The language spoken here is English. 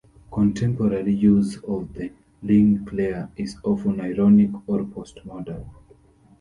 Contemporary use of the "ligne claire" is often ironic or post-modern.